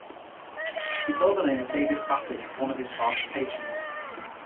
He bore the name of David Batty, one of his fathers' patrons.